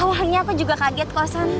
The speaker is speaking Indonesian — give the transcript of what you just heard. awalnya aku juga kaget kok san